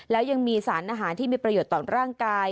แล้วยังมีสารอาหารที่มีประโยชน์ต่อร่างกาย